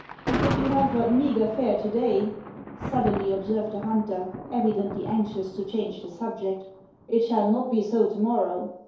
" If you have but meagre fare to day," suddenly ob served the hunter, evidently anxious to change the sub ject, " it shall not be so to morrow.